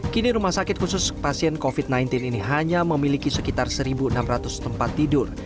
kini rumah sakit khusus pasien covid sembilan belas ini hanya memiliki sekitar satu enam ratus tempat tidur